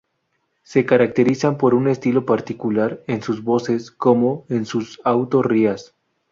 Se caracterizan por un estilo particular en sus voces como en sus auto rías.